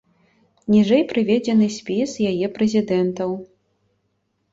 Ніжэй прыведзены спіс яе прэзідэнтаў.